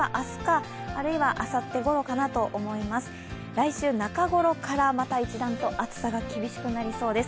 来週中ごろからまた一段と暑さが厳しくなりそうです。